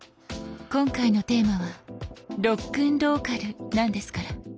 今回のテーマは「ロックンローカル」なんですから。